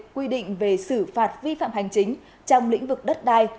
quy định về xử phạt vi phạm hành chính trong lĩnh vực đất đai